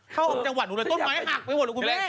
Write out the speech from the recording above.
เป็นออกจังหวันหรือเป็นต้นไม้หลักไปหมดแล้วคุณแม่